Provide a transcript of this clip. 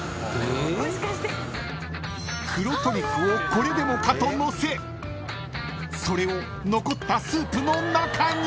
［これでもかとのせそれを残ったスープの中に］